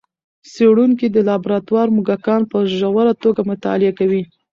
څېړونکي د لابراتوار موږکان په ژوره توګه مطالعه کوي.